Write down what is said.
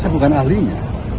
kan saya bukan ahlinya